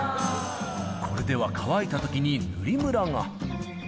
これでは乾いたときに塗りむらが。